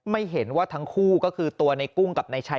ไม่เห็นว่าทั้งคู่ก็คือตัวในกุ้งกับนายชัย